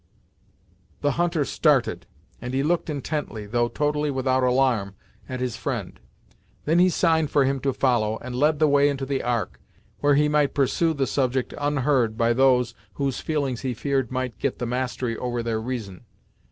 The hunter started, and he looked intently, though totally without alarm, at his friend. Then he signed for him to follow, and led the way into the Ark, where he might pursue the subject unheard by those whose feelings he feared might get the mastery over their reason.